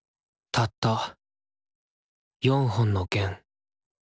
たった４本の弦。